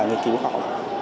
nghiên cứu học